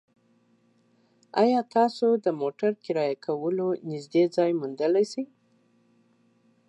ایا تاسو د موټر کرایه کولو نږدې ځای موندلی شئ؟